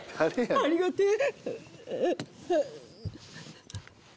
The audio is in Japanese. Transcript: ありがてぇ！